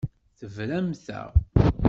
Tebramt-aɣ.